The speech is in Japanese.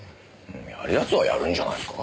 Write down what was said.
やる奴はやるんじゃないっすか？